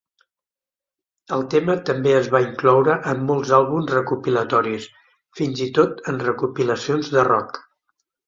El tema també es va incloure en molts àlbums recopilatoris, fins i tot en recopilacions de rock.